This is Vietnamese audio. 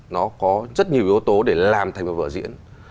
nó có rất nhiều yếu tố để làm thành một vở diễn